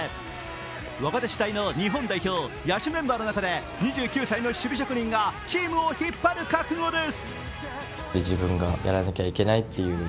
若手主体の日本代表、野手メンバーの中で２９歳の守備職人がチームを引っ張る覚悟です。